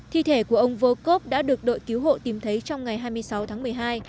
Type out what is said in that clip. thi thể của ông vôv đã được đội cứu hộ tìm thấy trong ngày hai mươi sáu tháng một mươi hai